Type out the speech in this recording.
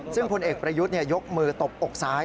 ซึ่งพลเอกประยุทธ์ยกมือตบอกซ้าย